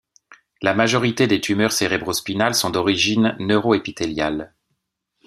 La majorité des tumeurs cérébrospinales sont d'origine neuroépithéliale.